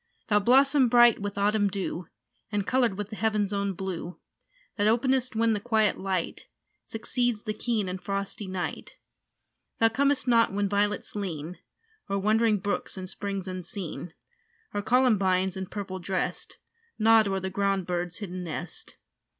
Thou blossom bright with autumn dew, And coloured with the heaven's own blue, That openest when the quiet light Succeeds the keen and frosty night. Thou comest not when violets lean O'er wandering brooks and springs unseen, Or columbines, in purple dressed, Nod o'er the ground bird's hidden nest.